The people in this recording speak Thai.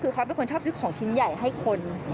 คือเขาเป็นคนชอบซื้อของชิ้นใหญ่ให้คน